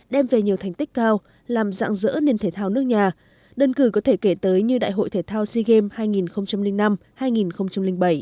đem về nhiều thành tích cao làm dạng dỡ nền thể thao nước nhà đơn cử có thể kể tới như đại hội thể thao sea games hai nghìn năm hai nghìn bảy